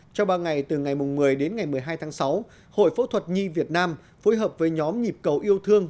trong ba ngày từ ngày một mươi đến ngày một mươi hai tháng sáu hội phẫu thuật nhi việt nam phối hợp với nhóm nhịp cầu yêu thương